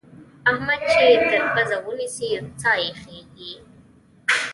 احمد چې تر پزه ونيسې؛ سا يې خېږي.